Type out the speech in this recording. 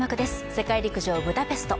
世界陸上ブダペスト。